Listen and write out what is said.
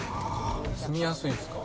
住みやすいですか？